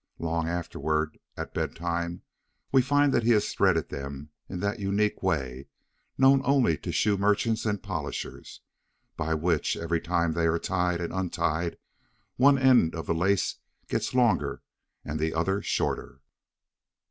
Long afterward, at bedtime, we find that he has threaded them in that unique way known only to shoe merchants and polishers, by which every time they are tied and untied one end of the lace gets longer and the other shorter.